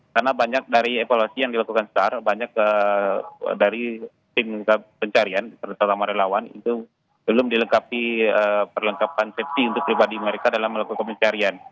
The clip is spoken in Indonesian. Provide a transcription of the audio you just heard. karena banyak dari evaluasi yang dilakukan sar banyak dari tim pencarian terutama relawan itu belum dilengkapi perlengkapan sepsi untuk pribadi mereka dalam melakukan pencarian